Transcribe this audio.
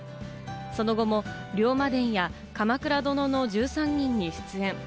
その後も『龍馬伝』や『鎌倉殿の１３人』に出演。